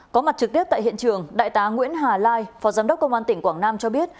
có mặt trực tiếp tại hiện trường đại tá nguyễn hà lai phó giám đốc công an tỉnh quảng nam cho biết